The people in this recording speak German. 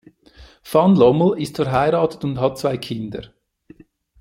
Van Lommel ist verheiratet und hat zwei Kinder.